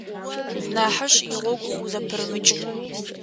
Нахьыжь игъогу узэпырымыкӏ.